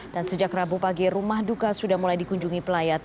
dan sejak rabu pagi rumah duka sudah mulai dikunjungi pelayat